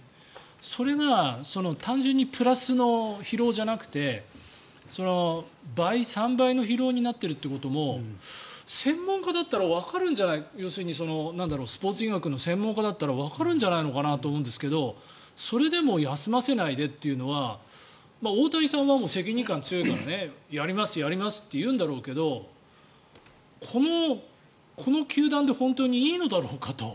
それが単純にプラスの疲労じゃなくて倍、３倍の疲労になっているということも要するにスポーツ医学の専門家だったらわかるんじゃないのかなと思うんですがそれでも休ませないでというのは大谷さんは責任感が強いからやりますと、やりますと言うんだろうけどこの球団で本当にいいのだろうかと。